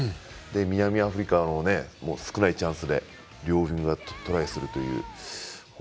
南アフリカも少ないチャンスで両ウイングがトライするという。